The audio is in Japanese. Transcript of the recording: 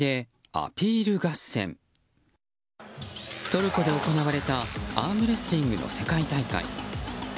トルコで行われたアームレスリングの世界大会。